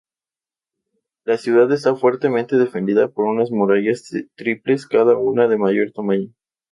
La ciudad está fuertemente defendida por unas murallas triples cada una de mayor tamaño.